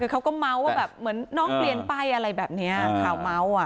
คือเขาก็เมาส์ว่าแบบเหมือนน้องเปลี่ยนไปอะไรแบบนี้ข่าวเมาส์อ่ะ